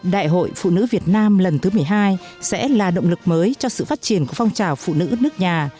đại hội phụ nữ việt nam lần thứ một mươi hai sẽ là động lực mới cho sự phát triển của phong trào phụ nữ nước nhà